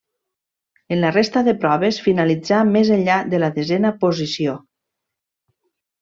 En la resta de proves finalitzà més enllà de la desena posició.